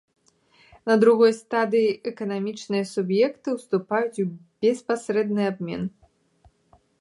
На другой стадыі эканамічныя суб'екты ўступаюць у беспасрэдны абмен.